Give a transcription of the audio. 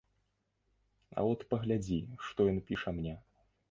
А от паглядзі, што ён піша мне.